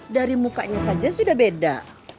dari mukanya saja sudah beda